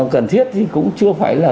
cần thiết thì cũng chưa phải là